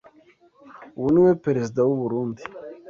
ubu ni we perezida w’u Burundi